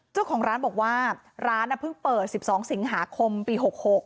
เจ้าของร้านบอกว่าร้านเพิ่งเปิด๑๒สิงหาคมปี๖๖